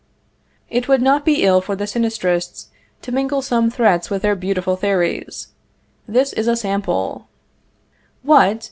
It would not be ill for the Sinistrists to mingle some threats with their beautiful theories. This is a sample: "What!